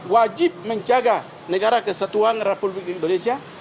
wajib menjaga negara kesatuan republik indonesia